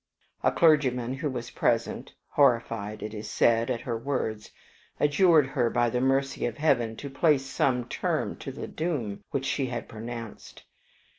A clergyman who was present, horrified, it is said at her words, adjured her by the mercy of Heaven to place some term to the doom which she had pronounced.